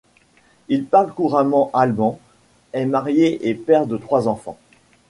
Il parle couramment allemand, est marié et père de trois enfants.